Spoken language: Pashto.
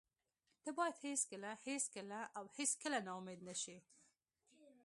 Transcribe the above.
ته باید هېڅکله، هېڅکله او هېڅکله نا امید نشې.